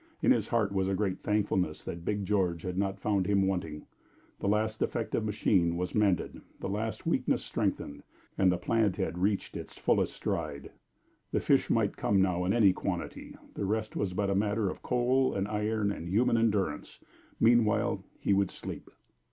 In his heart was a great thankfulness that Big George had not found him wanting. The last defective machine was mended, the last weakness strengthened, and the plant had reached its fullest stride. The fish might come now in any quantity; the rest was but a matter of coal and iron and human endurance. Meanwhile he would sleep.